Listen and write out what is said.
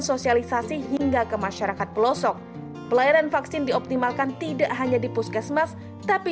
sosialisasi hingga ke masyarakat pelosok pelayanan vaksin dioptimalkan tidak hanya di puskesmas tapi